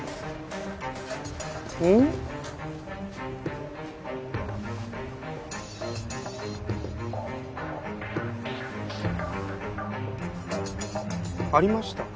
ん？ありました。